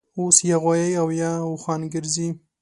اوس یا غوایي اویا اوښان ګرځي